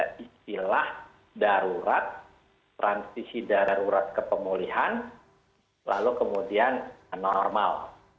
transisi darurat transisi darurat kepemulihan lalu kemudian normal